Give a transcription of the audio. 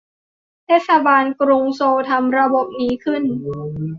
เทศบาลกรุงโซลทำระบบนี้ขึ้น